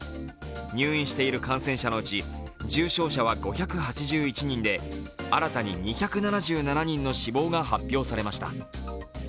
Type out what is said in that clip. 入院している感染者のうち重症者は５８１人で新たに２７７人の死亡が発表されました。